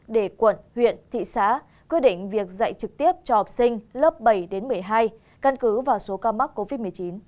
để quận huyện thị xã quyết định việc dạy trực tiếp cho học sinh lớp bảy đến một mươi hai căn cứ vào số ca mắc covid một mươi chín